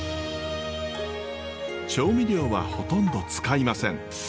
調味料はほとんど使いません。